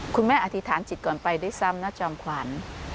อธิษฐานจิตก่อนไปด้วยซ้ำนะจอมขวัญ